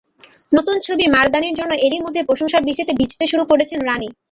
নতুন ছবি মারদানির জন্য এরই মধ্যে প্রশংসার বৃষ্টিতে ভিজতে শুরু করেছেন রানি।